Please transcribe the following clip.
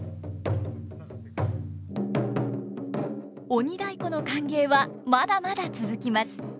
鬼太鼓の歓迎はまだまだ続きます。